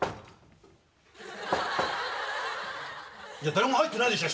誰も入ってないでしょ